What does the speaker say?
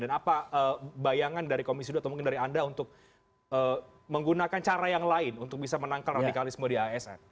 dan apa bayangan dari komisi dua atau mungkin dari anda untuk menggunakan cara yang lain untuk bisa menangkal radikalisme di asn